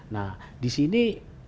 nah di sini